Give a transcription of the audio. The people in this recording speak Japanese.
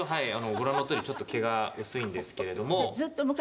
ご覧のとおりちょっと毛が薄いんですけれども。